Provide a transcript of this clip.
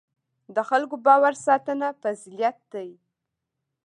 د خلکو باور ساتنه فضیلت دی.